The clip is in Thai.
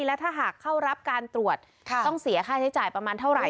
และถ้าหากเข้ารับการตรวจต้องเสียค่าใช้จ่ายประมาณเท่าไหร่